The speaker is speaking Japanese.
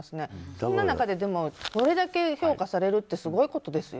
そんな中で、これだけ評価されるってすごいことですよ。